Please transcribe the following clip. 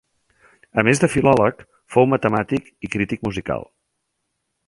A més de filòleg, fou matemàtic i crític musical.